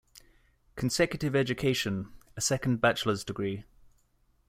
Consecutive Education: A second bachelor's degree.